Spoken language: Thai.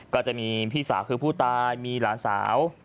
ก็จะมีพี่สาวคือผู้ตายมีหลานสาว